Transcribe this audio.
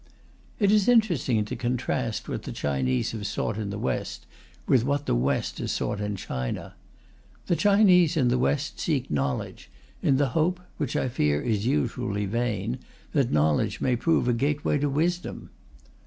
It is interesting to contrast what the Chinese have sought in the West with what the West has sought in China. The Chinese in the West seek knowledge, in the hope which I fear is usually vain that knowledge may prove a gateway to wisdom.